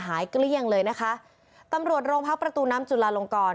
เกลี้ยงเลยนะคะตำรวจโรงพักประตูน้ำจุลาลงกร